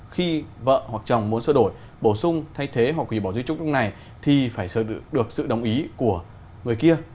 khi vợ hoặc chồng muốn sửa đổi bổ sung thay thế hoặc hủy bỏ di trúc lúc này thì phải được sự đồng ý của người kia